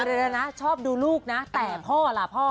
เดี๋ยวนะชอบดูลูกนะแต่พ่อล่ะพ่อ